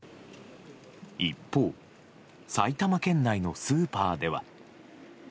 一方、埼玉県内のスーパーでは。